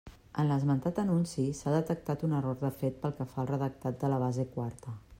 En l'esmentat anunci s'ha detectat un error de fet pel que fa al redactat de la base quarta.